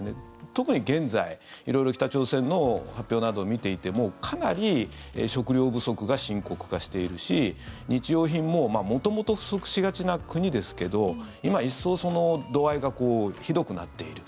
特に現在、色々北朝鮮の発表などを見ていてもかなり食料不足が深刻化しているし日用品も元々、不足しがちな国ですけど今、一層その度合いがひどくなっている。